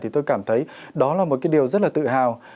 thì tôi cảm thấy đó là một cái điều rất là tự hào